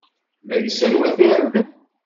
La yesserwat irden.